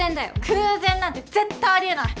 偶然なんて絶対あり得ない！